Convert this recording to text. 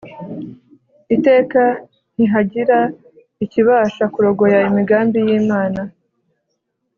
Iteka Ntihagira ikibasha kurogoya imigambi yimana